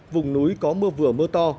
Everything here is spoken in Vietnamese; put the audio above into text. vùng núi có mưa vừa mưa to